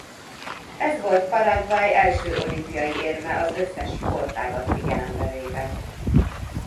Ez volt Paraguay első olimpiai érme az összes sportágat figyelembe véve.